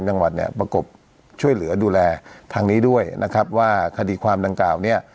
จังหวัดเนี่ยประกบช่วยเหลือดูแลทางนี้ด้วยนะครับว่าคดีความดังกล่าวเนี่ย